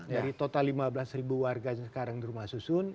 dari total lima belas ribu warga sekarang di rumah susun